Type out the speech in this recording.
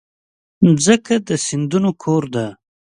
مځکه د سیندونو کور ده.